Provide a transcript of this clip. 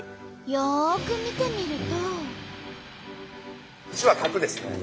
よく見てみると。